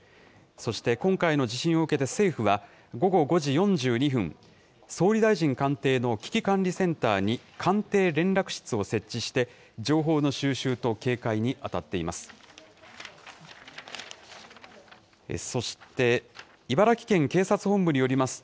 そして今回の地震を受けて政府は、午後５時４２分、総理大臣官邸の危機管理センターに官邸連絡室を設置して、情報の収集と警戒に当たっています。